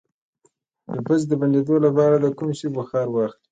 د پوزې د بندیدو لپاره د کوم شي بخار واخلئ؟